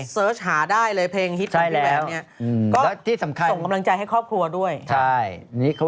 เสิร์ชหาได้เลยเพลงฮิตเกินพี่แหวนเนี่ยส่งกำลังใจให้ครอบครัวด้วยก็ใช่แล้วงั้นที่สำคัญ